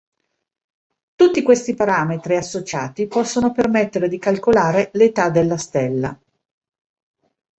Tutti questi parametri, associati, possono permettere di calcolare l'età della stella.